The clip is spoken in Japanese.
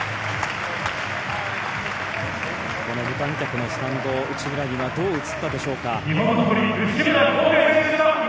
この無観客のスタンド、内村にはどう映ったでしょうか。